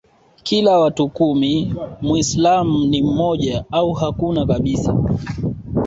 kila watu kumi Mwislamu ni mmoja au hakuna kabisa